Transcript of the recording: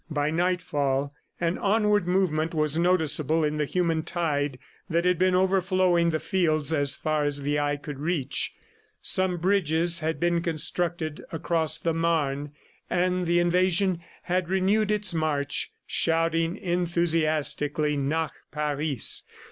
By nightfall, an onward movement was noticeable in the human tide that had been overflowing the fields as far as the eye could reach. Some bridges had been constructed across the Marne and the invasion had renewed its march, shouting enthusiastically. "Nach Paris!"